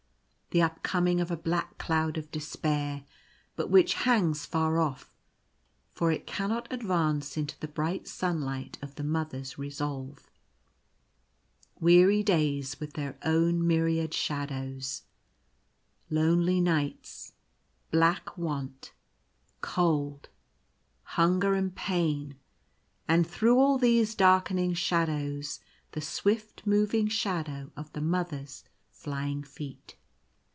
The upcoming of a black cloud of despair, but which hangs far off — for it cannot advance into the bright sunlight of the Mother's resolve. Weary days with their own myriad shadows. Lonely nights — black want — cold — hunger and pain ; and through all these darkening shadows the swift moving shadow of the Mother's flying feet.